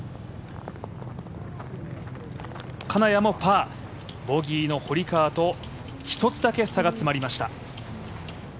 金谷もパ−、ボギーの堀川と１つだけ差がつまりました。